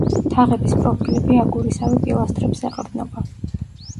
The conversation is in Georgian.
თაღების პროფილები აგურისავე პილასტრებს ეყრდნობა.